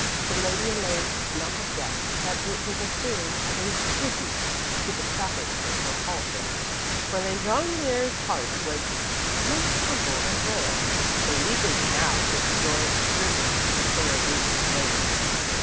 The Lady Elaine could not have guessed that it was assumed as a tribute to the trappings of her palfrey, for Le Jongleur's heart was most humble and loyal, though leaping now with the joy of serving the fair Lady Elaine.